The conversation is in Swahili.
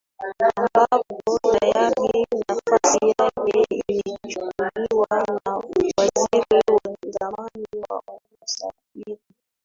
ambapo tayari nafasi yake imechukuliwa na waziri wa zamani wa usafiri